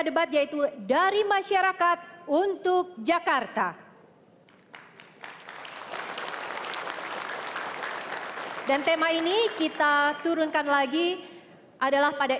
debat itu dari masyarakat untuk jakarta dki muchas dan tema ini kita turunkan lagi pada